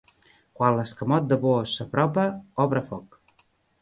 Quan l'escamot de Bozz s'apropa, obre foc.